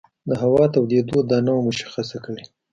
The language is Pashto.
د هوا تودېدو دا نه وه مشخصه کړې.